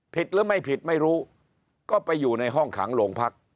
หรือไม่ผิดไม่รู้ก็ไปอยู่ในห้องขังโรงพัก